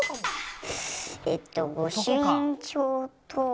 えっと御朱印帳と。